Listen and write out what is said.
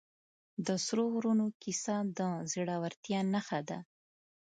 د سرو غرونو کیسه د زړه ورتیا نښه ده.